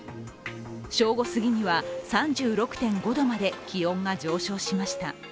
正午すぎには３６．５度まで気温が上昇しました。